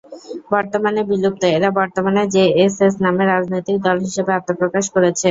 বর্তমানে বিলুপ্ত, এরা বর্তমানে জে এস এস নামে রাজনৈতিক দল হিসেবে আত্মপ্রকাশ করেছে।